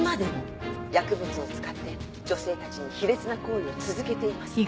薬物を使って女性たちに卑劣な行為を続けています。